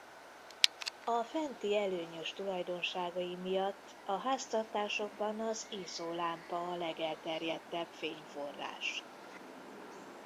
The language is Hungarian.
A fenti előnyös tulajdonságai miatt a háztartásokban az izzólámpa a legelterjedtebb fényforrás.